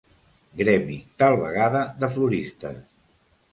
Gremi, tal vegada de floristes.